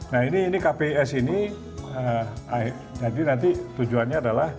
nah ini kps ini jadi nanti tujuannya adalah